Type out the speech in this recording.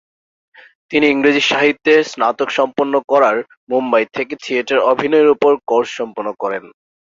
তিনি ইংরেজি সাহিত্যে স্নাতক সম্পন্ন করার মুম্বাই থেকে থিয়েটার অভিনয়ের উপর কোর্স সম্পন্ন করেন।